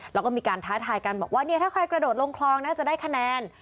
แล้วก็มีการท้าทายกันบอกว่าเนี่ยถ้าใครกระโดดลงคลองน่าจะได้คะแนน